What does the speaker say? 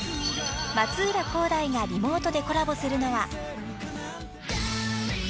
［松浦航大がリモートでコラボするのは］